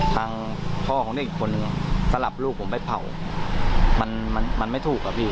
ทางพ่อของเด็กคนสลับลูกผมไปเผามันไม่ถูกอ่ะพี่